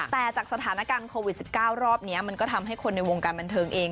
แต่จากสถานการณ์โควิด๑๙รอบนี้มันก็ทำให้คนในวงการบันเทิงเอง